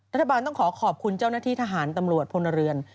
รัฐบาลต้องขอขอบคุณเจ้าหน้าที่ทหารตำรวจพลเรือน